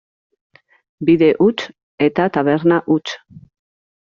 Bide huts eta taberna huts.